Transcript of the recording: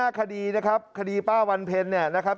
ข้าวหน้าคดีนะครับคดีป้าวันเพลนเนี่ยนะครับ